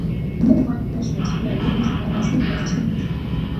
Modified versions were identified by a single letter suffix.